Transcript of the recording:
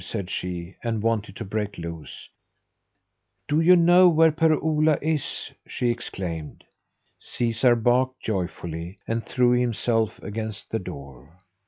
said she, and wanted to break loose. "Do you know where Per Ola is?" she exclaimed. Caesar barked joyfully, and threw himself against the door.